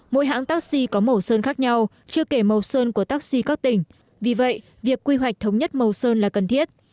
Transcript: mỗi hãng taxi có màu sơn khác nhau chưa kể màu sơn của taxi các tỉnh vì vậy việc quy hoạch thống nhất màu sơn là cần thiết